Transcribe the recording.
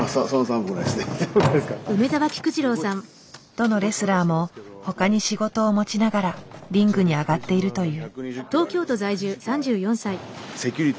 どのレスラーもほかに仕事を持ちながらリングに上がっているという。